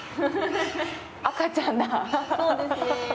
赤ちゃんだ！